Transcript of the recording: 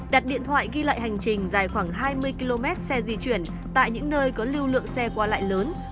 đặt điện thoại ghi lại hành trình dài khoảng hai mươi km xe di chuyển tại những nơi có lưu lượng xe qua lại lớn